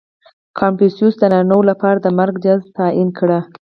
• کنفوسیوس د نارینهوو لپاره د مرګ جزا تعیین کړه.